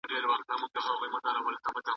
موږ باید د وارداتو مخه ونیسو.